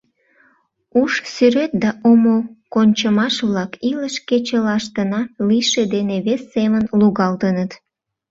Ушсӱрет да омо кончымаш-влак илыш кечылаштына лийше дене вес семын лугалтыныт.